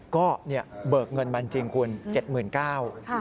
ก็เบิกเงินมาจริงคุณ๗๙๐๐บาท